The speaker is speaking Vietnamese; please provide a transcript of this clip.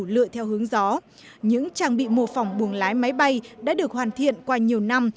lựa theo hướng gió những trang bị mô phỏng buồng lái máy bay đã được hoàn thiện qua nhiều năm